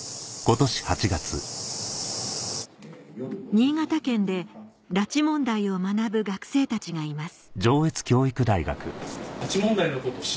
新潟県で拉致問題を学ぶ学生たちがいます